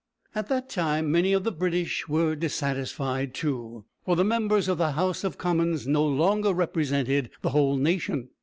At that time, many of the British were dissatisfied, too, for the members of the House of Commons no longer represented the whole nation.